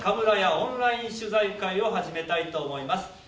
オンライン取材会を始めたいと思います。